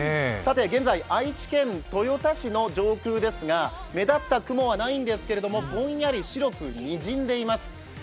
現在、愛知県豊田市の上空ですが目立った雲はないんですけれどもぼんやり白くにじんでいます。